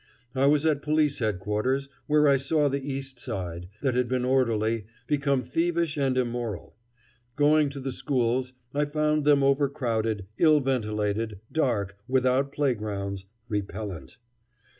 I was at Police Headquarters, where I saw the East Side, that had been orderly, becoming thievish and immoral. Going to the schools, I found them overcrowded, ill ventilated, dark, without playgrounds, repellent.